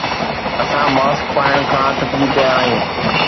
اسان ماسڪ پائڻ کان ٿڪجي پيا آهيون